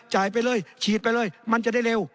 ไปเลยฉีดไปเลยมันจะได้เร็ว